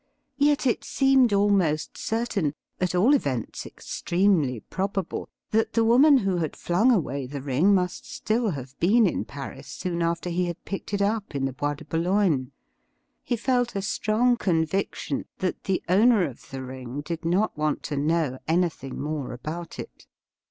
Yet it seemed almost certain — at all events, extremely probable — ^that the woman who had flung away the ring must still have been in Paris soon after he had picked it up in the Bois de Boulogne. He felt a strong conviction that the owner of the ring did not want to know an)rthing more about it.